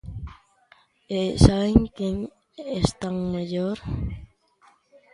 ¿E saben quen están mellor?